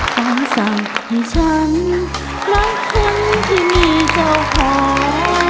คำสั่งให้ฉันรักคนที่มีเจ้าของ